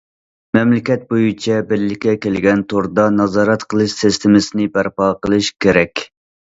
مەملىكەت بويىچە بىرلىككە كەلگەن توردا نازارەت قىلىش سىستېمىسىنى بەرپا قىلىش كېرەك.